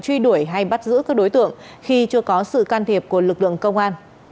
truy đuổi hay bắt giữ các đối tượng khi chưa có sự can thiệp của lực lượng công an